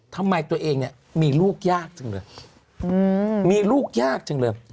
ทำไมตัวเองมีลูกยากจังเลย